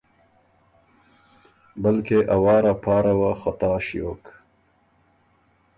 بلکې ا وار ا پاره وه خطا ݭیوک۔